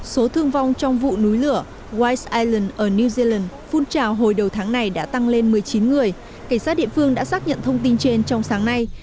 số thương vong trong vụ núi lửa white island ở new zealand phun trào hồi đầu tháng này đã tăng lên một mươi chín người cảnh sát địa phương đã xác nhận thông tin trên trong sáng nay